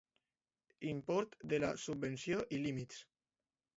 Import de la subvenció i límits.